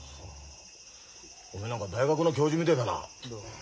おめえ何か大学の教授みてえだな。